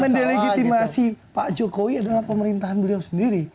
mendelegitimasi pak jokowi adalah pemerintahan beliau sendiri